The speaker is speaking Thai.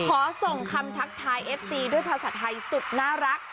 ขอส่งคำทักทายเอฟซีด้วยภาษาไทยสุดน่ารัก